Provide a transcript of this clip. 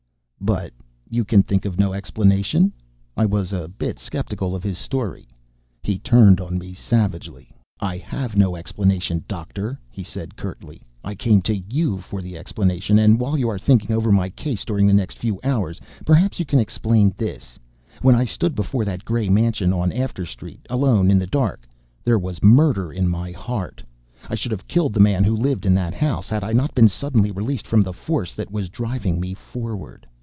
"But.... You can think of no explanation?" I was a bit skeptical of his story. He turned on me savagely. "I have no explanation. Doctor," he said curtly. "I came to you for the explanation. And while you are thinking over my case during the next few hours, perhaps you can explain this: when I stood before that gray mansion on After Street, alone in the dark, there was murder in my heart. I should have killed the man who lived in that house, had I not been suddenly released from the force that was driving me forward!"